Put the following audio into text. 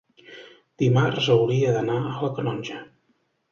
dimarts hauria d'anar a la Canonja.